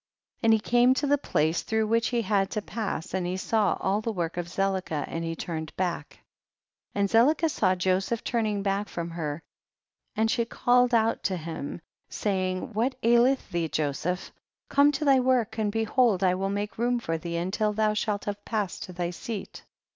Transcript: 50. And he came to the place through which he had to pass, and he saw all the work of Zelicah, and he turned back. 51. And Zelicah saw'Joseph turn ing back from her, and she called out to him, saying, what aileth thee Jo seph ? come to thy work, and behold I will make room for thee until thou shalt have passed to thy seat.